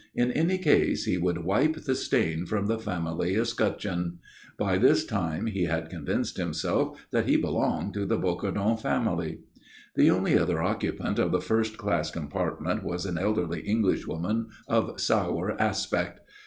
In any case he would wipe the stain from the family escutcheon. By this time he had convinced himself that he belonged to the Bocardon family. The only other occupant of the first class compartment was an elderly Englishwoman of sour aspect.